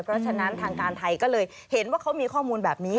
เพราะฉะนั้นทางการไทยก็เลยเห็นว่าเขามีข้อมูลแบบนี้